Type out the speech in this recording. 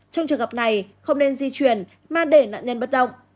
trong trường hợp này không nên di chuyển mà để nạn nhân bất động